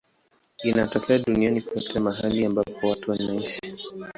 Inatokea duniani kote mahali ambapo watu wanaishi.